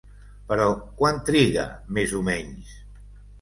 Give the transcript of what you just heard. Però, quant triga més o menys?